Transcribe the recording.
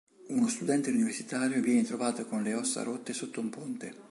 Uno studente universitario viene trovato con le ossa rotte sotto un ponte.